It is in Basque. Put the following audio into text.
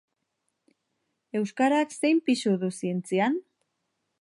Euskarak zein pisu du zientzian?